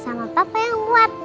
sama papa yang buat